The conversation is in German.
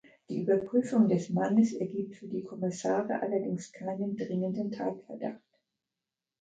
Die Überprüfung des Mannes ergibt für die Kommissare allerdings keinen dringenden Tatverdacht.